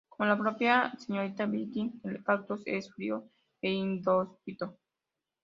Como la propia señorita Dickinson, el cactus es frío e inhóspito.